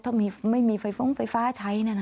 ถ้าไม่มีไฟฟ้าใช้เนี่ยนะ